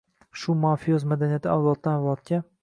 Shu mafioz madaniyati avloddan avlodga